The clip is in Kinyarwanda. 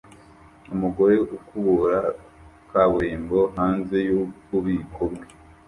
Umugore ukubura kaburimbo hanze yububiko bwe